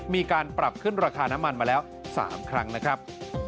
มีการปรับขึ้นราคาน้ำมันมาแล้ว๓ครั้งนะครับ